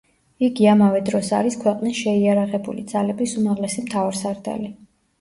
იგი ამავე დროს არის ქვეყნის შეიარაღებული ძალების უმაღლესი მთავარსარდალი.